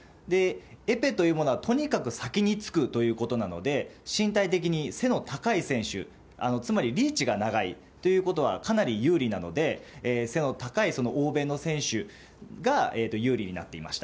エペというものはとにかく先に突くということなので、身体的に背の高い選手、つまり、リーチが長いということは、かなり有利なので、背の高い欧米の選手が有利になっていました。